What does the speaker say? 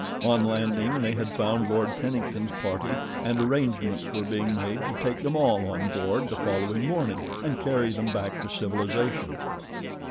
On landing they had found Lord Tennington's party, and arrangements were being made to take them all on board the following morning, and carry them back to civilization.